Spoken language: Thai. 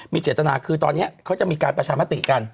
มีเจตนาคือตอนนี้เขาจะมีการประชามติกัน